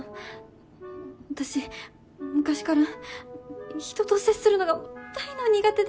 私昔から人と接するのが大の苦手で。